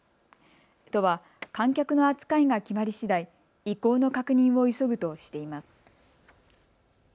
都は観客の扱いが決まりしだい意向の確認を急ぐとしています。